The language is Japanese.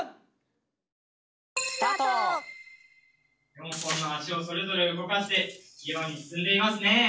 ４本の脚をそれぞれ動かして器用に進んでいますね。